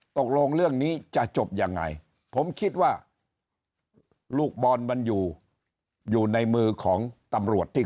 ตกลงเรื่องนี้จะจบยังไงผมคิดว่าลูกบอลมันอยู่อยู่ในมือของตำรวจที่